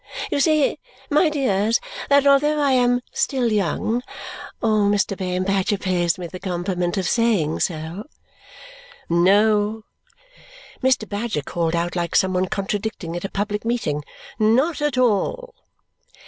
You see, my dears, that although I am still young or Mr. Bayham Badger pays me the compliment of saying so " "No," Mr. Badger called out like some one contradicting at a public meeting. "Not at all!"